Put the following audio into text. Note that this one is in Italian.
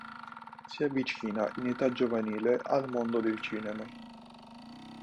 Si avvicina in età giovanile al mondo del cinema.